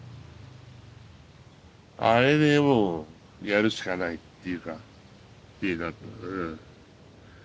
あれでもうやるしかないっていうか気になったかなあ。